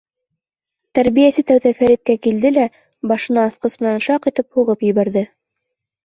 — Тәрбиәсе тәүҙә Фәриткә килде лә, башына асҡыс менән шаҡ итеп һуғып ебәрҙе.